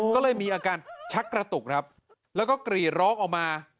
ก็เลยมีอาการชักกระตุกครับแล้วก็กรีดร้องออกมา